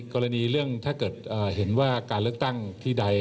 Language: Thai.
กรณีเรื่องถ้าเกิดเห็นว่าการเลือกตั้งที่ใด